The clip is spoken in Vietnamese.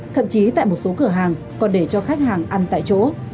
thậm chí tại một số cửa hàng còn để cho khách hàng ăn tại chỗ